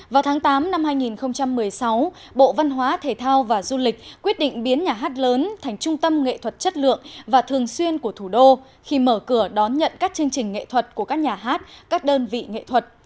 vào tháng tám năm hai nghìn một mươi sáu bộ văn hóa thể thao và du lịch quyết định biến nhà hát lớn thành trung tâm nghệ thuật chất lượng và thường xuyên của thủ đô khi mở cửa đón nhận các chương trình nghệ thuật của các nhà hát các đơn vị nghệ thuật